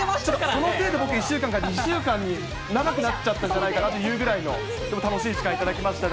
そのせいで僕、１週間が２週間に長くなっちゃったんじゃないかなというぐらいの、でも楽しい時間、頂きました。